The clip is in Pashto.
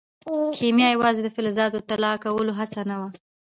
کیمیا یوازې د فلزاتو د طلا کولو هڅه نه وه.